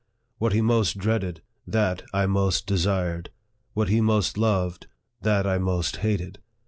What he most dreaded, that I most desired. What he most loved, that I most hated.